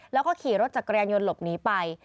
แล้วก็ขี่รถจักรยานยนต์หลบหนีไป